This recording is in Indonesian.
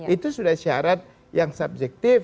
itu sudah syarat yang subjektif